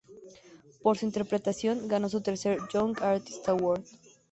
Por su interpretación, ganó su tercer Young Artist Award.